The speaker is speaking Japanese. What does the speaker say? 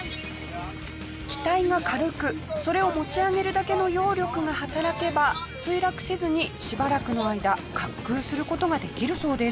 機体が軽くそれを持ち上げるだけの揚力が働けば墜落せずにしばらくの間滑空する事ができるそうです。